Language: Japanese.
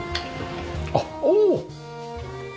あっおお！